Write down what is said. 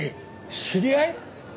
知り合い？